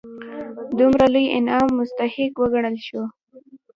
دومره لوی انعام مستحق وګڼل شول.